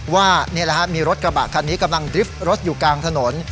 ว่านี่แหละฮะมีรถกระบะคันนี้กำลังดริฟท์รถอยู่กลางถนน